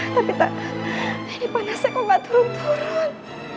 tapi tak ini panasnya kok gak turun turun